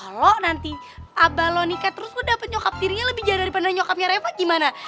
kalo nanti abalo nikah terus lo dapet nyokap dirinya lebih jahat daripada nyokapnya reva gimana